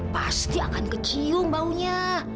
pasti akan kecium baunya